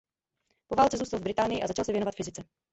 Po válce zůstal v Británii a začal se věnovat fyzice.